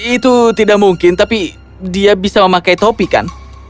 itu tidak mungkin tapi dia bisa memakai topi kan